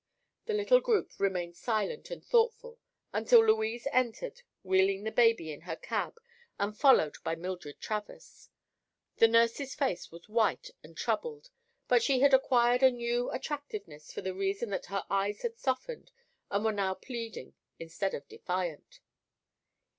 The little group remained silent and thoughtful until Louise entered wheeling the baby in her cab and followed by Mildred Travers. The nurse's face was white and troubled but she had acquired a new attractiveness for the reason that her eyes had softened and were now pleading instead of defiant.